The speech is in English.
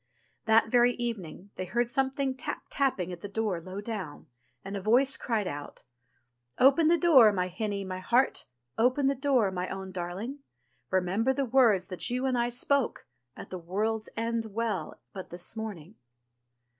That very evening they heard something tap tapping at the door low down, and a voice cried out : "Open the door, my hinny, my heart, Open the door, my own darling; Remember the words that you and I spoke. At the World's End Well but this morning.'